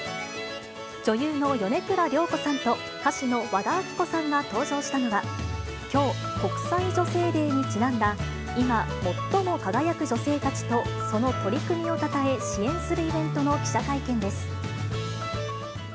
女優の米倉涼子さんと歌手の和田アキ子さんが登場したのは、きょう国際女性デーにちなんだ今最も輝く女性たちとその取り組みをたたえ、支援するイベントの記者会見です。